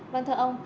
vâng thưa ông